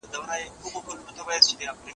په امریکا کې ساینسي مرکزونه فعالیت کوي.